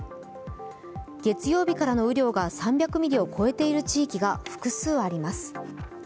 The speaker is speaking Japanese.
月曜日からの雨量が３００ミリを越えている地域が複数あります。